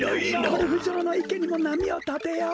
ゴルフじょうのいけにもなみをたてよう！